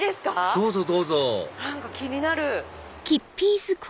どうぞどうぞ気になる！